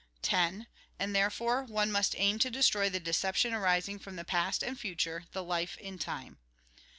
10. And therefore, one must aim to destroy the deception arising from the past and future, the life in time.